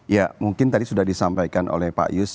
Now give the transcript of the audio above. ya mungkin tadi sudah disampaikan oleh pak yus